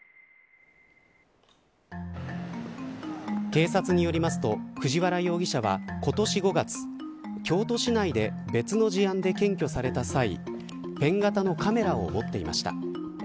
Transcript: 警察によりますと、藤原容疑者は今年５月京都市内で別の事案で検挙された際ペン型のカメラを持っていました。